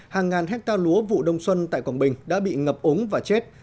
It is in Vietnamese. hàng ngàn hectare lúa vụ đông xuân tại quảng bình đã bị ngập ống và chết